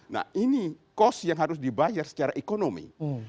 nah ini cost yang harus dibayar secara ekonomi